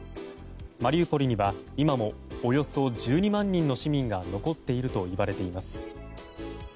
マリウポリには今もおよそ１２万人の市民が残っているといわれています。